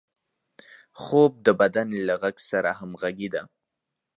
خوب د بدن له غږ سره همغږي ده